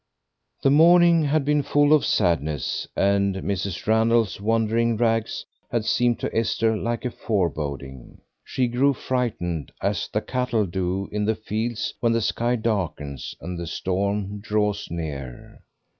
The morning had been full of sadness, and Mrs. Randal's wandering rags had seemed to Esther like a foreboding. She grew frightened, as the cattle do in the fields when the sky darkens and the storm draws near.